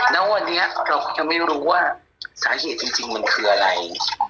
ณวันนี้เรายังไม่รู้ว่าสาเหตุจริงมันคืออะไร